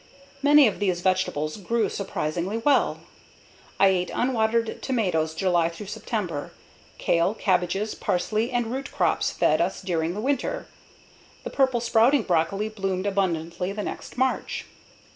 Many of these vegetables grew surprisingly well. I ate unwatered tomatoes July through September; kale, cabbages, parsley, and root crops fed us during the winter. The Purple Sprouting broccoli bloomed abundantly the next March.